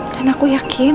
dan aku yakin